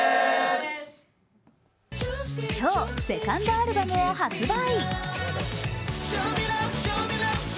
今日、セカンドアルバムを発売。